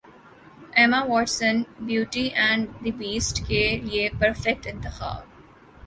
Emma Watson Beauty and the Beast کے لیے perfect انتخاب